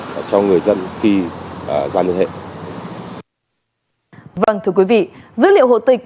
vâng thưa quý vị dữ liệu hộ tịch